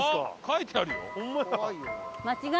書いてあるよ。